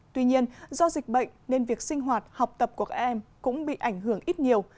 tuy nhiên do dịch bệnh nên việc sinh hoạt học tập của các em cũng bị ảnh hưởng ít nhiều